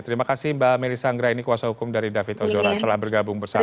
terima kasih mbak melisa anggra ini kuasa hukum dari david ozora telah bergabung bersama kami